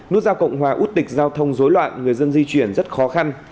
nút giao cộng hòa út địch giao thông dối loạn người dân di chuyển rất khó khăn